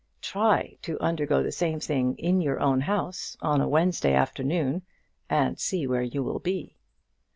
Try to undergo the same thing in your own house on a Wednesday afternoon, and see where you will be.